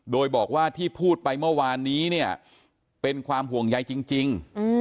โดยบอกว่าที่พูดไปเมื่อวานนี้เนี่ยเป็นความห่วงใยจริง